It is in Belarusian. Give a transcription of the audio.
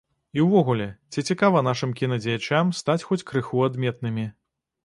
І ўвогуле, ці цікава нашым кінадзеячам стаць хоць крыху адметнымі?